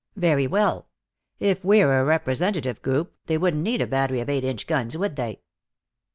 "Very well. If we're a representative group, they wouldn't need a battery of eight inch guns, would they?"